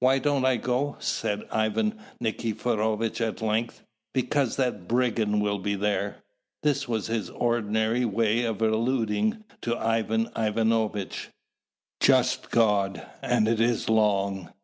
"Why don't I go?" said Ivan Nikiforovitch at length: "because that brigand will be there!" This was his ordinary way of alluding to Ivan Ivanovitch. "Just God! and is it long?"